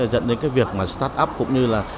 dẫn đến cái việc mà start up cũng như là